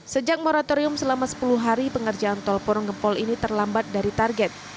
sejak moratorium selama sepuluh hari pengerjaan tol porong gempol ini terlambat dari target